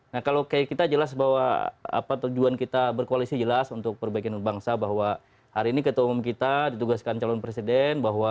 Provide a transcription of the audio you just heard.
nah kalau kayak kita jelas bahwa tujuan kita berkoalisi jelas untuk perbaikan bangsa bahwa hari ini ketua umum kita ditugaskan calon presiden bahwa